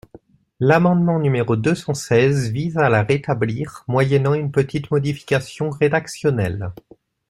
L’amendement numéro deux cent seize vise à la rétablir, moyennant une petite modification rédactionnelle.